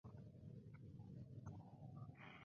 These were the only two vacant lots on the block at the time.